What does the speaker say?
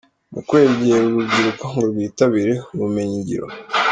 mu kwegera urubyiruko ngo rwitabire ubumenyingiro